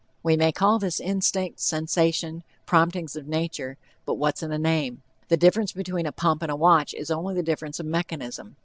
We may call this instinct, sensation, promptings of nature, but what's in a name? The difference between a pump and a watch is only a difference of mechanism.